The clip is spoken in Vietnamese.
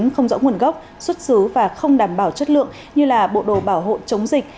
không rõ nguồn gốc xuất xứ và không đảm bảo chất lượng như là bộ đồ bảo hộ chống dịch